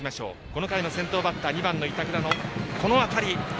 この回の先頭バッター２番の板倉のこの当たり。